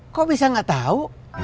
kok bisa gak tau